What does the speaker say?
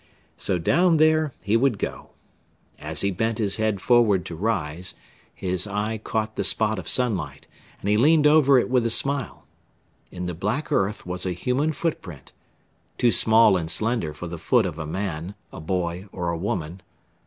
So down there he would go. As he bent his head forward to rise, his eye caught the spot of sunlight, and he leaned over it with a smile. In the black earth was a human foot print too small and slender for the foot of a man, a boy or a woman.